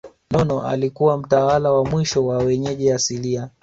Nono alikuwa mtawala wa mwisho wa wenyeji asilia